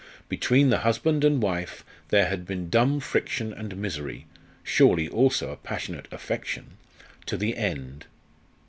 Between the husband and wife there had been dumb friction and misery surely also a passionate affection! to the end.